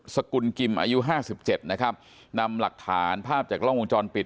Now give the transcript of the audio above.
สกุลกิมอายุห้าสิบเจ็ดนะครับนำหลักฐานภาพจากกล้องวงจรปิด